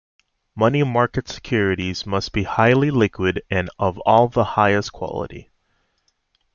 Money market securities must be highly liquid and of the highest quality.